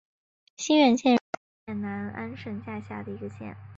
兴元县是越南乂安省下辖的一个县。